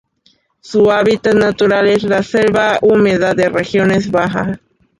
Su hábitat natural es la selva húmeda de regiones bajas.